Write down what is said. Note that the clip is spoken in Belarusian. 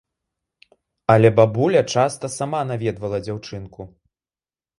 Але бабуля часта сама наведвала дзяўчынку.